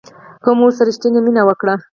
که مو ورسره ریښتینې مینه وکړه